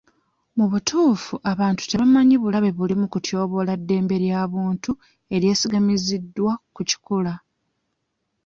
Mubutuufu abantu tebamanyi bulabe buli mu kutyoboola ddembe lya buntu eryesigamiziddwa ku kikula.